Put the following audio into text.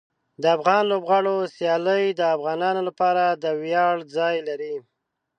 د افغان لوبغاړو سیالۍ د افغانانو لپاره د ویاړ ځای لري.